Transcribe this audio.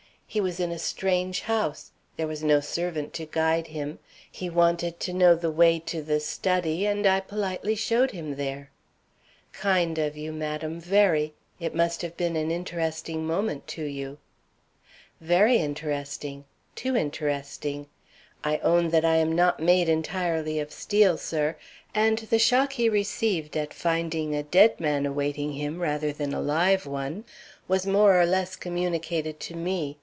He was in a strange house; there was no servant to guide him, he wanted to know the way to the study, and I politely showed him there." "Kind of you, madam, very. It must have been an interesting moment to you." "Very interesting! Too interesting! I own that I am not made entirely of steel, sir, and the shock he received at finding a dead man awaiting him, instead of a live one, was more or less communicated to me.